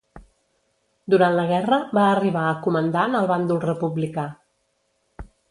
Durant la guerra va arribar a comandant al bàndol republicà.